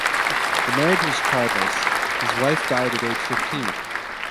This marriage was childless; his wife died at age fifteen.